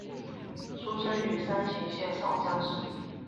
出身于山形县上山市。